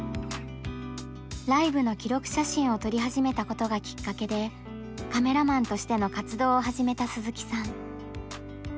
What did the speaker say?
ライブの記録写真を撮り始めたことがきっかけでカメラマンとしての活動を始めた鈴木さん。